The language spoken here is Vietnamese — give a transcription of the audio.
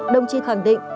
đồng chí khẳng định